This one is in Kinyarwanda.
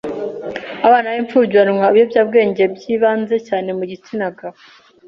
’abana bimfubyi banywa ibiyobyabwenge byibanze cyane mu bigitsina gabo